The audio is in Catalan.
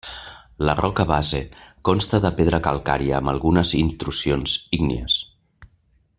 La roca base consta de pedra calcària amb algunes intrusions ígnies.